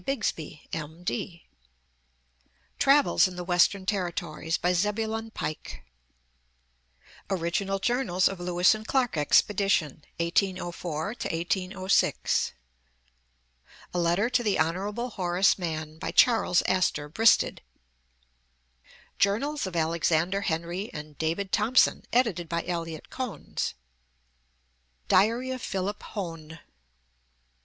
Bigs by, M. D. ; Travels in the Western Territories, by Zeb ulan Pike; Original Journals of Lewis and Clark Ex pedition, 1804 1806; A Letter to the Honorable Horace Mann, by Charles Astor Bristed ; Journals of Alex ander Henry and David Thompson, edited by Elliott Cones; Diary of Philip Hone.